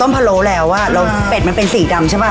ไม่ให้หลุดด้วย